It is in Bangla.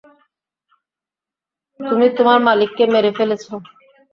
তুমি তোমার মালিককে মেরে ফেলছো।